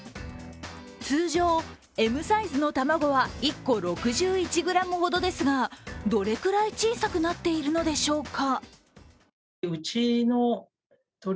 通常、Ｍサイズの卵は１個６１ｇほどですが、どれくらい小さくなっているのでしょうか？